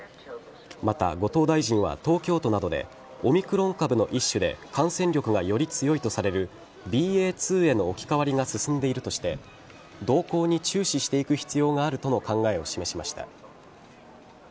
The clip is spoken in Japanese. また、後藤大臣は東京都などでオミクロン株の一種で感染力がより強いとされるＢＡ．２への置き換わりが進んでいるとして動向に注視していく必要があるとの考えを示しました。